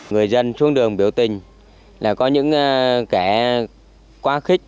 người dân xuống đường biểu tình là có những kẻ quá khích